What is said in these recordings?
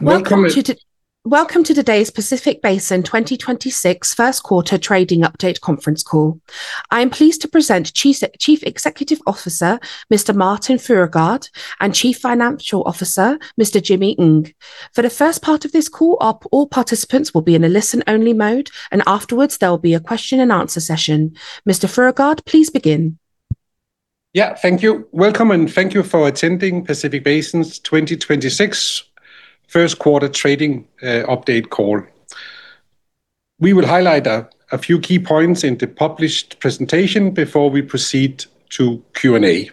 Welcome to today's Pacific Basin 2026 first quarter trading update conference call. I am pleased to present Chief Executive Officer, Mr. Martin Fruergaard, and Chief Financial Officer, Mr. Jimmy Ng. For the first part of this call, all participants will be in a listen-only mode, and afterwards, there will be a question and answer session. Mr. Fruergaard, please begin. Yeah, thank you. Welcome, and thank you for attending Pacific Basin's 2026 first quarter trading update call. We will highlight a few key points in the published presentation before we proceed to Q&A.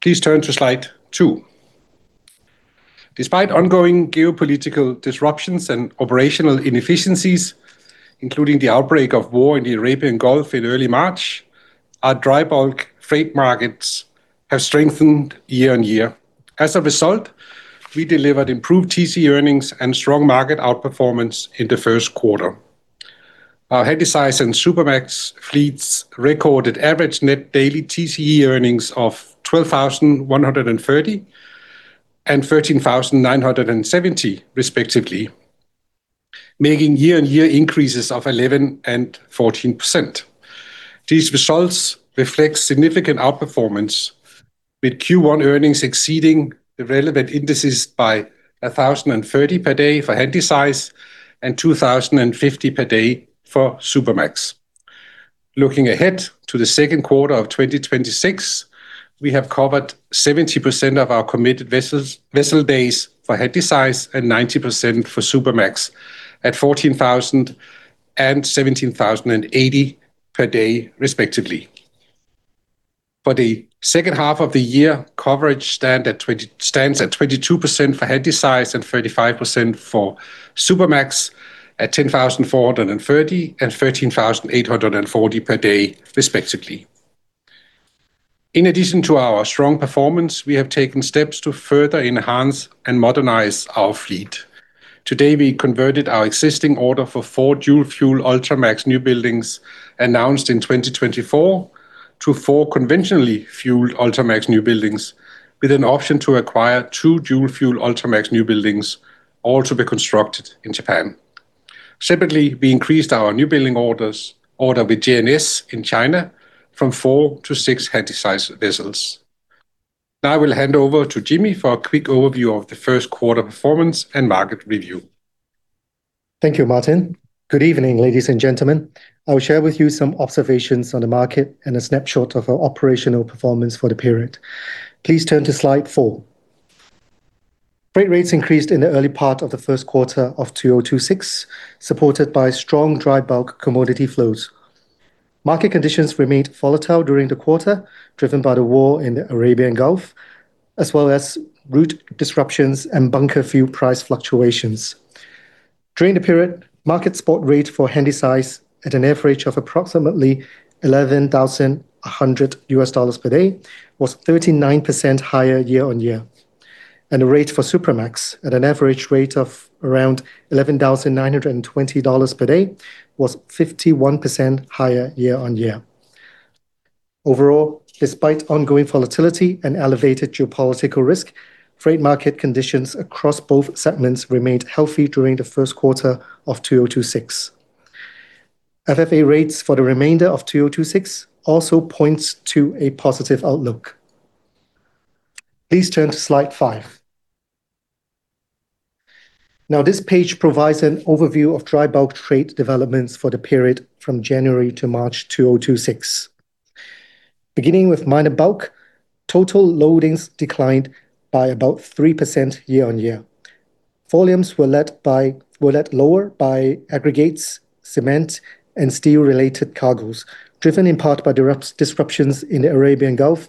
Please turn to slide two. Despite ongoing geopolitical disruptions and operational inefficiencies, including the outbreak of war in the Arabian Gulf in early March, our dry bulk freight markets have strengthened year-on-year. As a result, we delivered improved TCE earnings and strong market outperformance in the first quarter. Our Handysize and Supramax fleets recorded average net daily TCE earnings of $12,130 and $13,970 respectively, making year-on-year increases of 11% and 14%. These results reflect significant outperformance, with Q1 earnings exceeding the relevant indices by $1,030 per day for Handysize and $2,050 per day for Supramax. Looking ahead to the second quarter of 2026, we have covered 70% of our committed vessel days for Handysize and 90% for Supramax at $14,000 and $17,080 per day respectively. For the second half of the year, coverage stands at 22% for Handysize and 35% for Supramax at $10,430 and $13,840 per day respectively. In addition to our strong performance, we have taken steps to further enhance and modernize our fleet. Today, we converted our existing order for 4 dual fuel Ultramax newbuildings announced in 2024 to four conventionally fueled Ultramax newbuildings, with an option to acquire two dual fuel Ultramax newbuildings, all to be constructed in Japan. Separately, we increased our newbuilding order with JNS in China from four to six Handysize vessels. Now I will hand over to Jimmy for a quick overview of the first quarter performance and market review. Thank you, Martin. Good evening, ladies and gentlemen. I will share with you some observations on the market and a snapshot of our operational performance for the period. Please turn to slide four. Freight rates increased in the early part of the first quarter of 2026, supported by strong dry bulk commodity flows. Market conditions remained volatile during the quarter, driven by the war in the Arabian Gulf, as well as route disruptions and bunker fuel price fluctuations. During the period, market spot rate for Handysize, at an average of approximately $11,100 per day, was 39% higher year-on-year, and the rate for Supramax, at an average rate of around $11,920 per day, was 51% higher year-on-year. Overall, despite ongoing volatility and elevated geopolitical risk, freight market conditions across both segments remained healthy during the first quarter of 2026. FFA rates for the remainder of 2026 also points to a positive outlook. Please turn to slide five. Now, this page provides an overview of dry bulk trade developments for the period from January to March 2026. Beginning with minor bulk, total loadings declined by about 3% year-over-year. Volumes were led lower by aggregates, cement, and steel-related cargos, driven in part by disruptions in the Arabian Gulf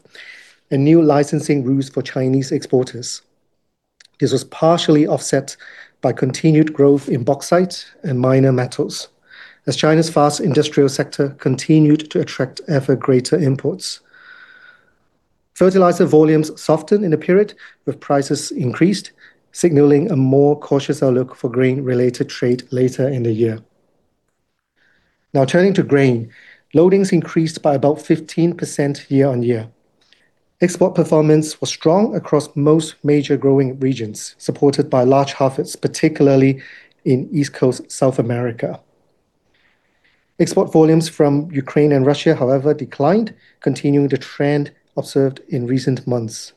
and new licensing rules for Chinese exporters. This was partially offset by continued growth in bauxite and minor metals as China's vast industrial sector continued to attract ever greater imports. Fertilizer volumes softened in the period with prices increased, signaling a more cautious outlook for grain-related trade later in the year. Now turning to grain, loadings increased by about 15% year-over-year. Export performance was strong across most major growing regions, supported by large harvests, particularly in East Coast South America. Export volumes from Ukraine and Russia, however, declined, continuing the trend observed in recent months.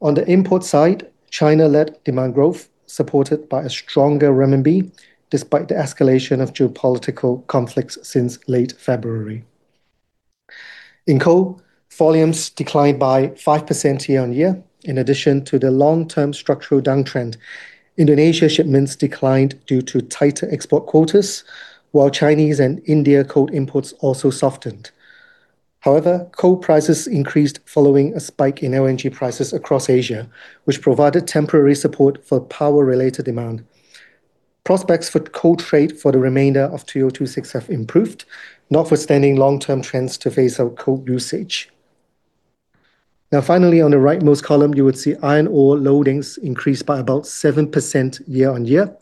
On the import side, China led demand growth supported by a stronger renminbi despite the escalation of geopolitical conflicts since late February. In coal, volumes declined by 5% year-over-year. In addition to the long-term structural downtrend, Indonesia shipments declined due to tighter export quotas, while Chinese and Indian coal imports also softened. However, coal prices increased following a spike in LNG prices across Asia, which provided temporary support for power-related demand. Prospects for coal trade for the remainder of 2026 have improved, notwithstanding long-term trends to phase out coal usage. Now finally, on the rightmost column, you would see iron ore loadings increased by about 7% year-over-year.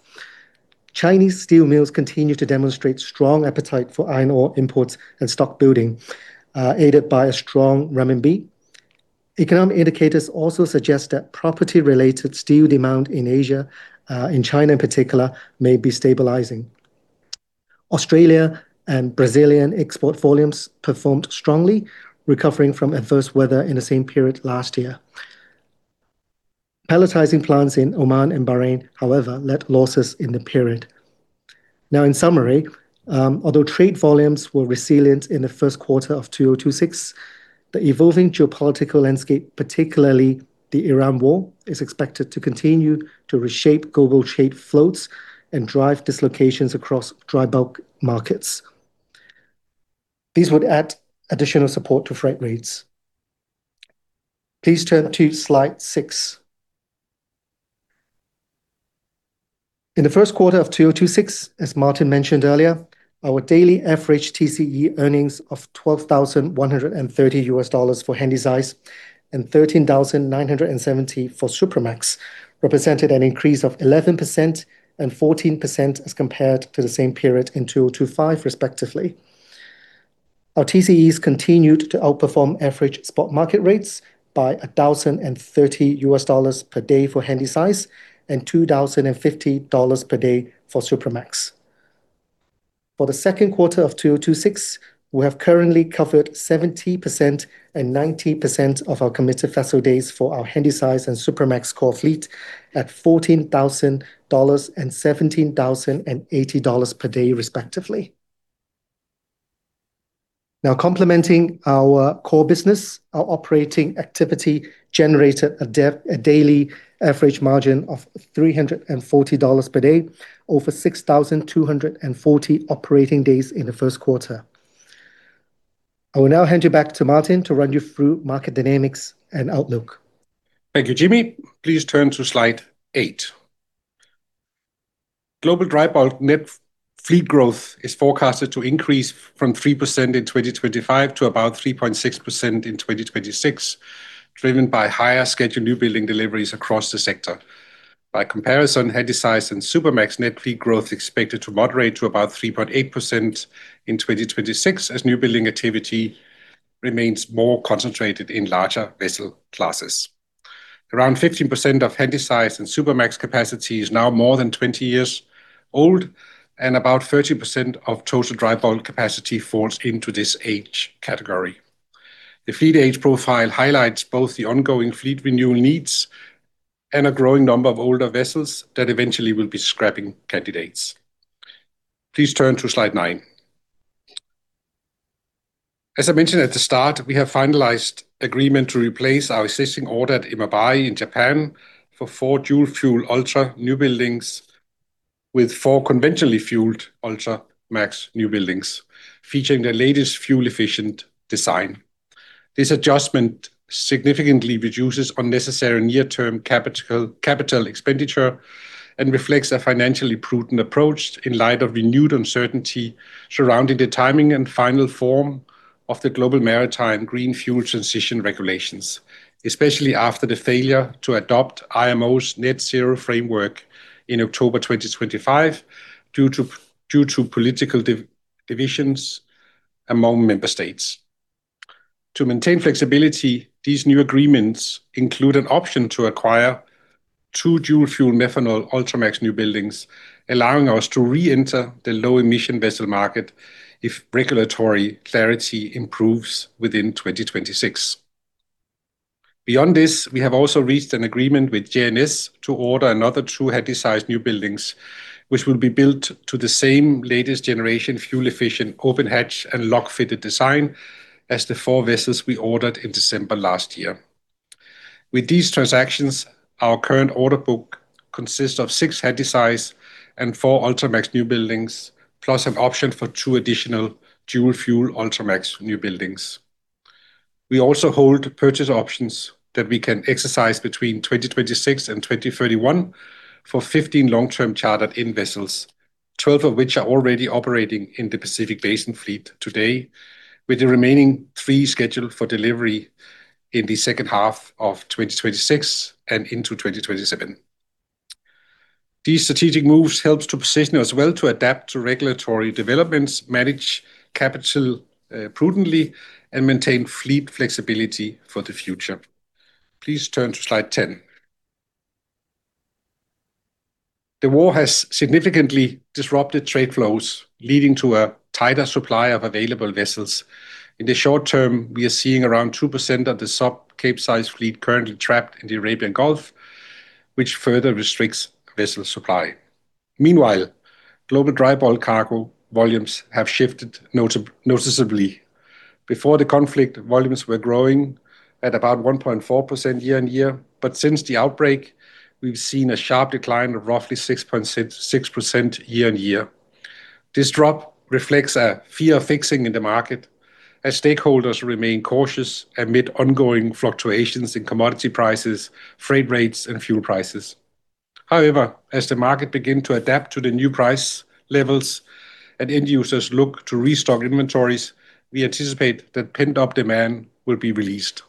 Chinese steel mills continue to demonstrate strong appetite for iron ore imports and stock building, aided by a strong renminbi. Economic indicators also suggest that property-related steel demand in Asia, in China in particular, may be stabilizing. Australia and Brazilian export volumes performed strongly, recovering from adverse weather in the same period last year. Pelletizing plants in Oman and Bahrain, however, led losses in the period. Now, in summary, although trade volumes were resilient in the first quarter of 2026, the evolving geopolitical landscape, particularly the Iran war, is expected to continue to reshape global trade flows and drive dislocations across dry bulk markets. These would add additional support to freight rates. Please turn to slide six. In the first quarter of 2026, as Martin mentioned earlier, our daily average TCE earnings of $12,130 for Handysize and $13,970 for Supramax represented an increase of 11% and 14% as compared to the same period in 2025, respectively. Our TCEs continued to outperform average spot market rates by $1,030 per day for Handysize and $2,050 per day for Supramax. For the second quarter of 2026, we have currently covered 70% and 90% of our committed vessel days for our Handysize and Supramax core fleet at $14,000 and $17,080 per day, respectively. Now complementing our core business, our operating activity generated a daily average margin of $340 per day over 6,240 operating days in the first quarter. I will now hand you back to Martin to run you through market dynamics and outlook. Thank you, Jimmy. Please turn to slide eight. Global dry bulk net fleet growth is forecasted to increase from 3% in 2025 to about 3.6% in 2026, driven by higher scheduled new building deliveries across the sector. By comparison, Handysize and Supramax net fleet growth is expected to moderate to about 3.8% in 2026, as new building activity remains more concentrated in larger vessel classes. Around 15% of Handysize and Supramax capacity is now more than 20 years old, and about 30% of total dry bulk capacity falls into this age category. The fleet age profile highlights both the ongoing fleet renewal needs and a growing number of older vessels that eventually will be scrapping candidates. Please turn to slide nine. As I mentioned at the start, we have finalized agreement to replace our existing order at Imabari Shipbuilding in Japan for four dual-fuel Ultramax newbuildings with four conventionally fueled Ultramax newbuildings featuring the latest fuel-efficient design. This adjustment significantly reduces unnecessary near-term capital expenditure and reflects a financially prudent approach in light of renewed uncertainty surrounding the timing and final form of the global maritime green fuel transition regulations, especially after the failure to adopt IMO's Net Zero Framework in October 2025 due to political divisions among member states. To maintain flexibility, these new agreements include an option to acquire two dual-fuel methanol Ultramax newbuildings, allowing us to reenter the low emission vessel market if regulatory clarity improves within 2026. Beyond this, we have also reached an agreement with JNS to order another 2 Handysize newbuildings, which will be built to the same latest generation fuel-efficient open-hatch and log-fitted design as the four vessels we ordered in December last year. With these transactions, our current order book consists of six Handysize and four Ultramax newbuildings, plus an option for two additional dual-fuel Ultramax newbuildings. We also hold purchase options that we can exercise between 2026 and 2031 for 15 long-term chartered-in vessels, twelve of which are already operating in the Pacific Basin fleet today, with the remaining three scheduled for delivery in the second half of 2026 and into 2027. These strategic moves helps to position us well to adapt to regulatory developments, manage capital prudently, and maintain fleet flexibility for the future. Please turn to slide ten. The war has significantly disrupted trade flows, leading to a tighter supply of available vessels. In the short term, we are seeing around 2% of the sub-Capesize fleet currently trapped in the Arabian Gulf, which further restricts vessel supply. Meanwhile, global dry bulk cargo volumes have shifted noticeably. Before the conflict, volumes were growing at about 1.4% year-on-year. Since the outbreak, we've seen a sharp decline of roughly 6.6% year-on-year. This drop reflects a fear of fixing in the market as stakeholders remain cautious amid ongoing fluctuations in commodity prices, freight rates, and fuel prices. However, as the market begins to adapt to the new price levels and end users look to restock inventories, we anticipate that pent-up demand will be released.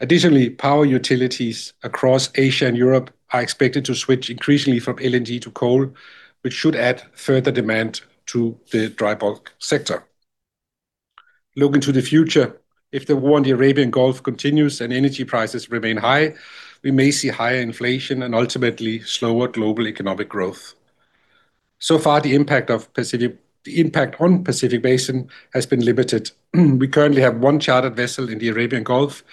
Additionally, power utilities across Asia and Europe are expected to switch increasingly from LNG to coal, which should add further demand to the dry bulk sector. Looking to the future, if the war in the Arabian Gulf continues and energy prices remain high, we may see higher inflation and ultimately slower global economic growth. So far, the impact on Pacific Basin has been limited. We currently have one chartered vessel in the Arabian Gulf,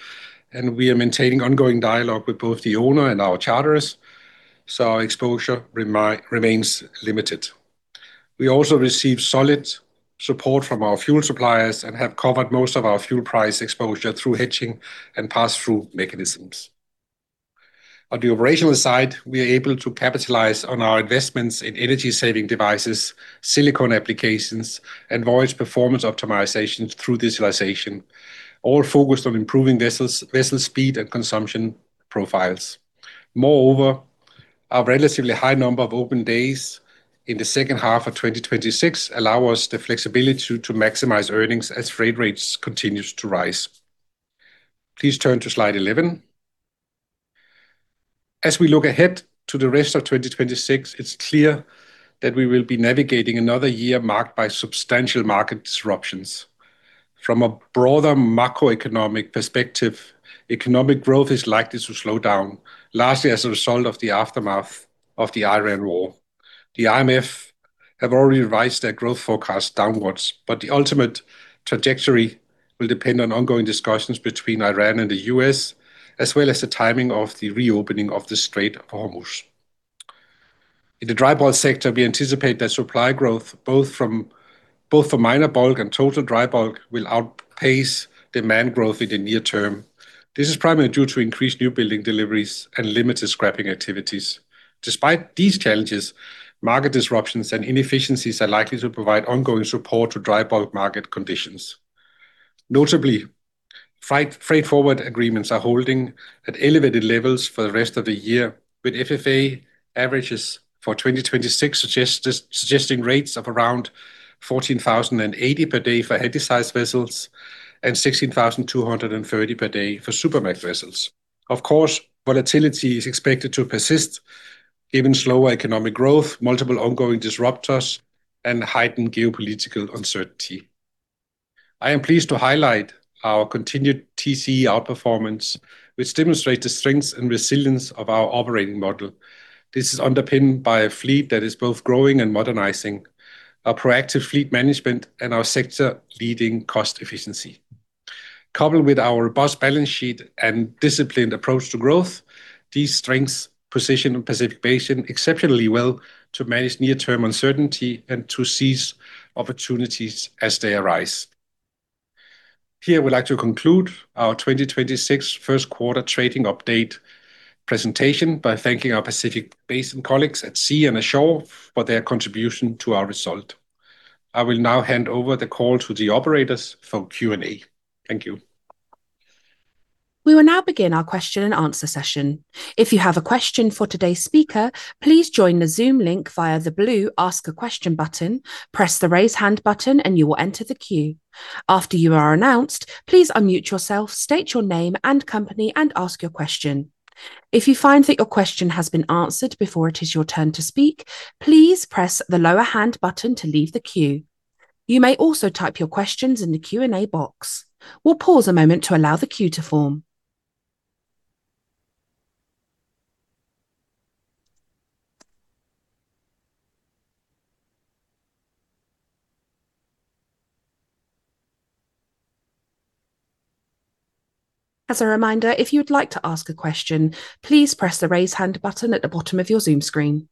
and we are maintaining ongoing dialogue with both the owner and our charterers, so our exposure remains limited. We also receive solid support from our fuel suppliers and have covered most of our fuel price exposure through hedging and pass-through mechanisms. On the operational side, we are able to capitalize on our investments in energy-saving devices, silicone applications, and voyage performance optimization through visualization, all focused on improving vessel speed and consumption profiles. Moreover, a relatively high number of open days in the second half of 2026 allow us the flexibility to maximize earnings as freight rates continues to rise. Please turn to slide eleven. As we look ahead to the rest of 2026, it's clear that we will be navigating another year marked by substantial market disruptions. From a broader macroeconomic perspective, economic growth is likely to slow down, largely, as a result of the aftermath of the Iran war. The IMF have already revised their growth forecast downwards, but the ultimate trajectory will depend on ongoing discussions between Iran and the U.S., as well as the timing of the reopening of the Strait of Hormuz. In the dry bulk sector, we anticipate that supply growth both for minor bulk and total dry bulk will outpace demand growth in the near term. This is primarily due to increased newbuilding deliveries and limited scrapping activities. Despite these challenges, market disruptions and inefficiencies are likely to provide ongoing support to dry bulk market conditions. Notably, freight forward agreements are holding at elevated levels for the rest of the year, with FFA averages for 2026 suggesting rates of around $14,080 per day for Handysize vessels and $16,230 per day for Supramax vessels. Of course, volatility is expected to persist given slower economic growth, multiple ongoing disruptors, and heightened geopolitical uncertainty. I am pleased to highlight our continued TCE outperformance, which demonstrates the strengths and resilience of our operating model. This is underpinned by a fleet that is both growing and modernizing, our proactive fleet management, and our sector-leading cost efficiency. Coupled with our robust balance sheet and disciplined approach to growth, these strengths position Pacific Basin exceptionally well to manage near-term uncertainty and to seize opportunities as they arise. Here I would like to conclude our 2026 first quarter trading update presentation by thanking our Pacific Basin colleagues at sea and ashore for their contribution to our result. I will now hand over the call to the operators for Q&A. Thank you. We will now begin our question and answer session. If you have a question for today's speaker, please join the Zoom link via the blue Ask a Question button, press the Raise Hand button, and you will enter the queue. After you are announced, please unmute yourself, state your name and company, and ask your question. If you find that your question has been answered before it is your turn to speak, please press the Lower Hand button to leave the queue. You may also type your questions in the Q&A box. We'll pause a moment to allow the queue to form. As a reminder, if you'd like to ask a question, please press the Raise Hand button at the bottom of your Zoom screen.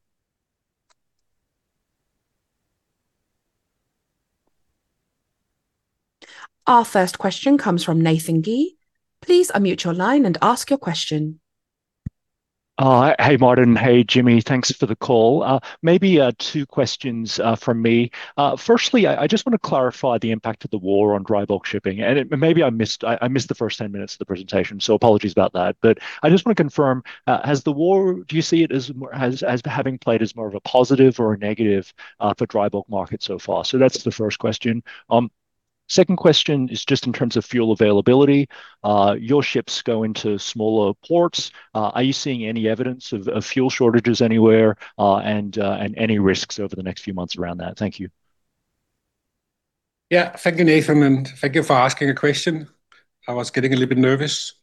Our first question comes from Nathan Gee. Please unmute your line and ask your question. Hey, Martin. Hey, Jimmy. Thanks for the call. Maybe two questions from me. Firstly, I just want to clarify the impact of the war on dry bulk shipping, and maybe I missed the first 10 minutes of the presentation, so apologies about that. I just want to confirm, do you see it as having played as more of a positive or a negative for dry bulk market so far? That's the first question. Second question is just in terms of fuel availability. Your ships go into smaller ports. Are you seeing any evidence of fuel shortages anywhere and any risks over the next few months around that? Thank you. Yeah, thank you, Nathan, and thank you for asking a question. I was getting a little bit nervous.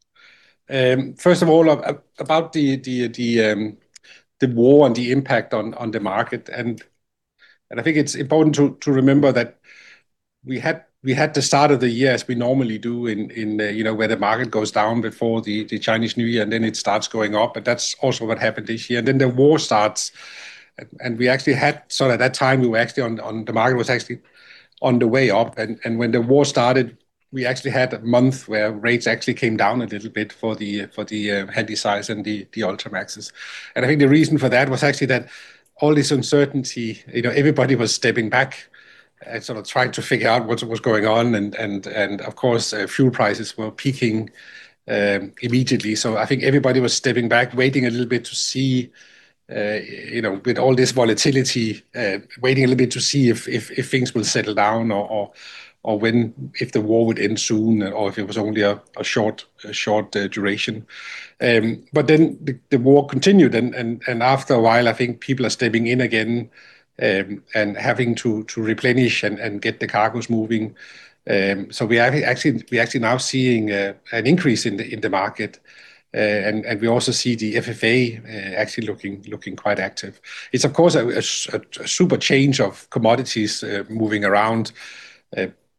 First of all, about the war and the impact on the market, and I think it's important to remember that we had the start of the year as we normally do in, where the market goes down before the Chinese New Year, and then it starts going up. That's also what happened this year. The war starts, and we actually had at that time, the market was actually on the way up. When the war started, we actually had a month where rates actually came down a little bit for the Handysize and the Ultramaxes. I think the reason for that was actually that all this uncertainty, everybody was stepping back and sort of trying to figure out what was going on, and, of course, fuel prices were peaking immediately. I think everybody was stepping back, waiting a little bit to see with all this volatility, waiting a little bit to see if things will settle down or when, if the war would end soon or if it was only a short duration. The war continued and after a while, I think people are stepping in again and having to replenish and get the cargoes moving. We actually now seeing an increase in the market. We also see the FFA actually looking quite active. It's of course such a change of commodities moving around.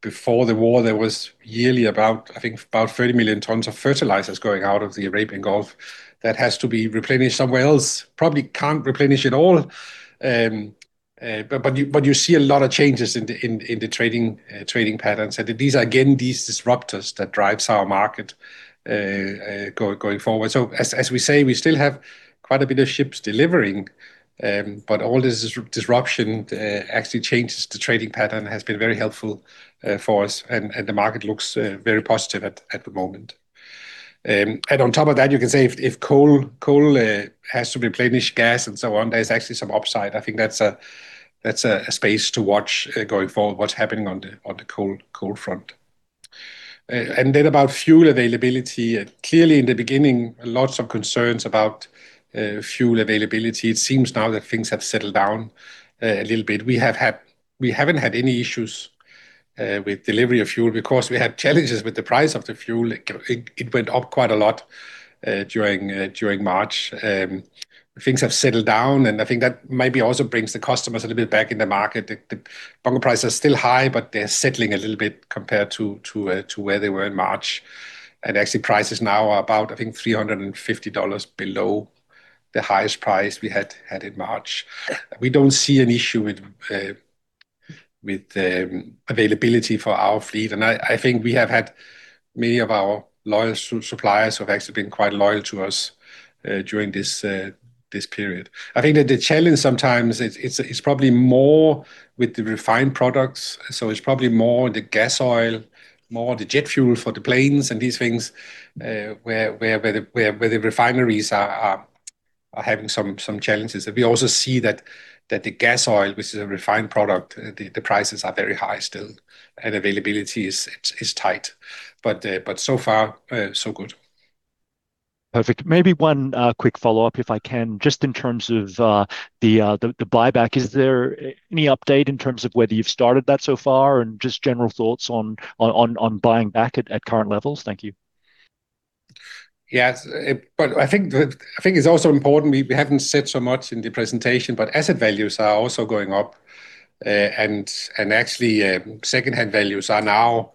Before the war, there was yearly about, I think about 30 million tons of fertilizers going out of the Arabian Gulf. That has to be replenished somewhere else, probably can't replenish it all. You see a lot of changes in the trading patterns and these are, again, these disruptors that drives our market going forward. As we say, we still have quite a bit of ships delivering. All this disruption actually changes the trading pattern has been very helpful for us. The market looks very positive at the moment. On top of that, you can say if coal has to replenish gas and so on, there's actually some upside. I think that's a space to watch going forward, what's happening on the coal front. Then about fuel availability. Clearly in the beginning, lots of concerns about fuel availability. It seems now that things have settled down a little bit. We haven't had any issues with delivery of fuel. Of course, we had challenges with the price of the fuel. It went up quite a lot during March. Things have settled down, and I think that maybe also brings the customers a little bit back in the market. The bunker prices are still high, but they're settling a little bit compared to where they were in March. Actually prices now are about, I think $350 below the highest price we had in March. We don't see an issue with availability for our fleet, and I think we have had many of our loyal suppliers who have actually been quite loyal to us during this period. I think that the challenge sometimes, it's probably more with the refined products. It's probably more the gas oil, more the jet fuel for the planes and these things, where the refineries are having some challenges. We also see that the gas oil, which is a refined product, the prices are very high still and availability is tight. So far so good. Perfect. Maybe one quick follow-up if I can, just in terms of the buyback. Is there any update in terms of whether you've started that so far and just general thoughts on buying back at current levels? Thank you. Yes. I think it's also important, we haven't said so much in the presentation, but asset values are also going up. Actually, secondhand values are now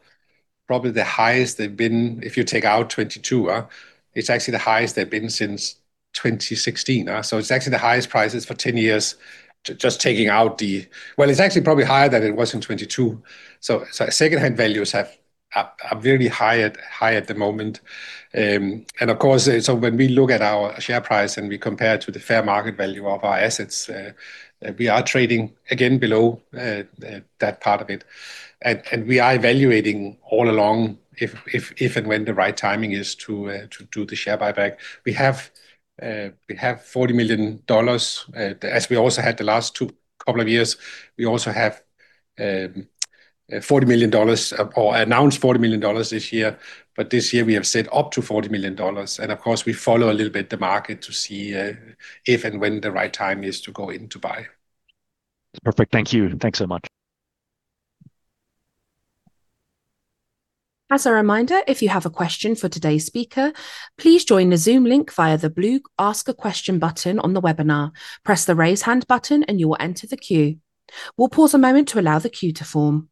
probably the highest they've been, if you take out 2022. It's actually the highest they've been since 2016. It's actually the highest prices for ten years. It's actually probably higher than it was in 2022. Secondhand values are very high at the moment. Of course, when we look at our share price and we compare to the fair market value of our assets, we are trading again below that part of it. We are evaluating all along if and when the right timing is to do the share buyback. We have $40 million, as we also had the last two couple of years. We also have $40 million or announced $40 million this year. This year we have said up to $40 million. Of course, we follow a little bit the market to see if and when the right time is to go in to buy. Perfect. Thank you. Thanks so much. As a reminder, if you have a question for today's speaker, please join the Zoom link via the blue Ask a Question button on the webinar. Press the Raise Hand button and you will enter the queue. We'll pause a moment to allow the queue to form.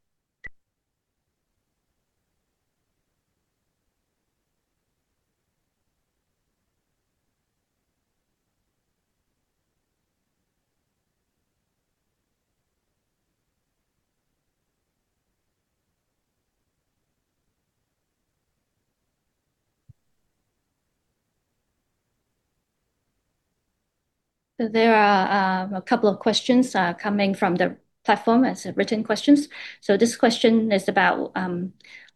There are a couple of questions coming from the platform as written questions. This question is about,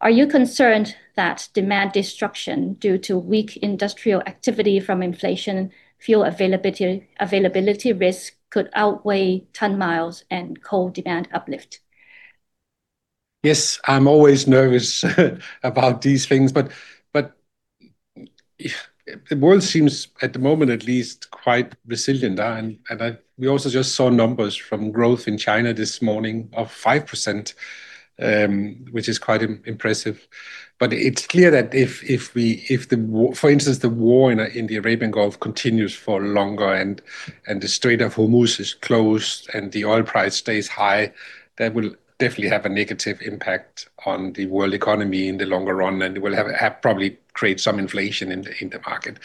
are you concerned that demand destruction due to weak industrial activity from inflation, fuel availability risk could outweigh ton-miles and coal demand uplift? Yes, I'm always nervous about these things, but the world seems, at the moment at least, quite resilient. We also just saw numbers from growth in China this morning of 5%, which is quite impressive. It's clear that if, for instance, the war in the Arabian Gulf continues for longer and the Strait of Hormuz is closed and the oil price stays high, that will definitely have a negative impact on the world economy in the longer run, and it will probably create some inflation in the market.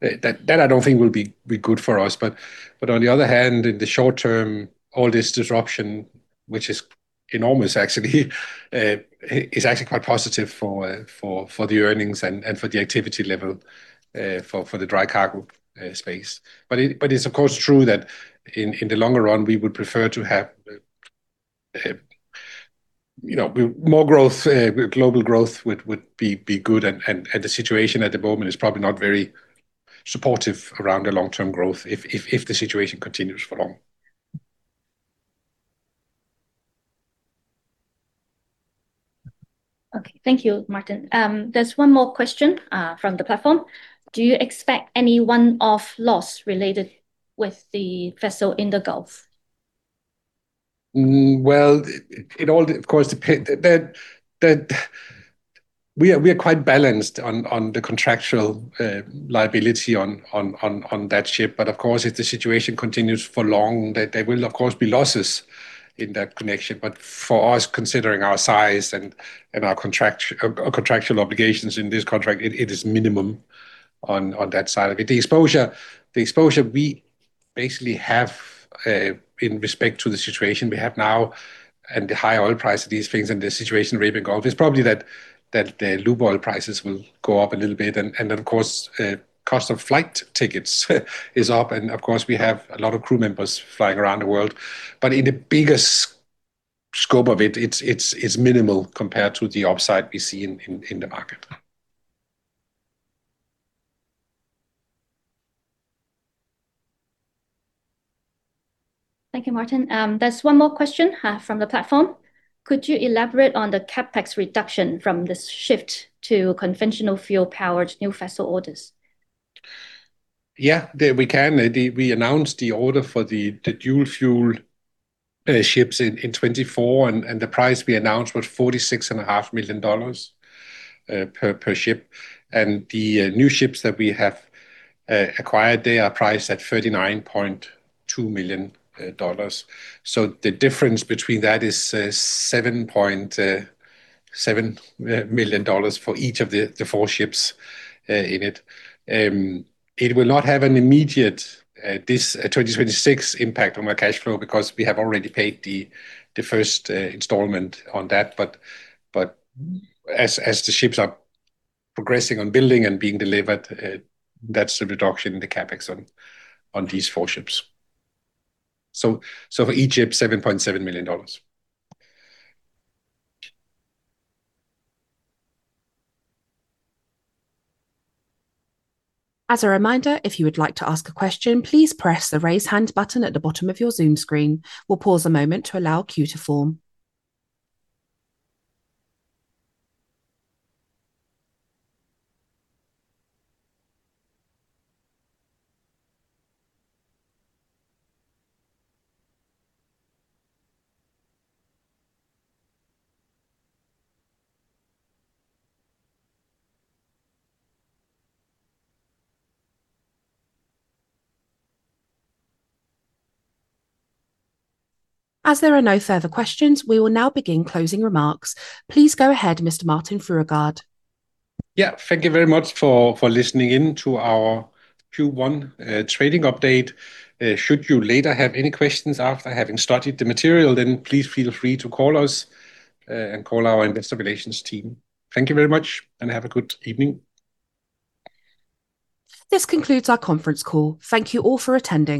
That I don't think will be good for us. On the other hand, in the short term, all this disruption, which is enormous actually, is actually quite positive for the earnings and for the activity level for the dry cargo space. It's of course true that in the longer run, we would prefer to have more growth, global growth would be good and the situation at the moment is probably not very supportive around the long-term growth if the situation continues for long. Okay. Thank you, Martin. There's one more question from the platform. Do you expect any one-off loss related with the vessel in the Gulf? Well, we are quite balanced on the contractual liability on that ship. Of course, if the situation continues for long, there will of course be losses in that connection. For us, considering our size and our contractual obligations in this contract, it is minimum on that side of it. The exposure we basically have in respect to the situation we have now and the high oil price of these things and the situation in the Arabian Gulf is probably that the lube oil prices will go up a little bit, and then, of course, cost of flight tickets is up, and of course, we have a lot of crew members flying around the world. In the bigger scope of it's minimal compared to the upside we see in the market. Thank you, Martin. There's one more question from the platform. Could you elaborate on the CapEx reduction from this shift to conventional fuel-powered new vessel orders? Yeah, we can. We announced the order for the dual-fueled ships in 2024, and the price we announced was $46.5 million per ship. The new ships that we have acquired, they are priced at $39.2 million. The difference between that is $7.7 million for each of the four ships in it. It will not have an immediate impact in 2026 on our cash flow because we have already paid the first installment on that. As the ships are progressing on building and being delivered, that's the reduction in the CapEx on these four ships. For each ship, $7.7 million. As a reminder, if you would like to ask a question, please press the Raise Hand button at the bottom of your Zoom screen. We'll pause a moment to allow a queue to form. As there are no further questions, we will now begin closing remarks. Please go ahead, Mr. Martin Fruergaard. Yeah. Thank you very much for listening in to our Q1 trading update. Should you later have any questions after having studied the material, then please feel free to call us, and call our investor relations team. Thank you very much, and have a good evening. This concludes our conference call. Thank you all for attending.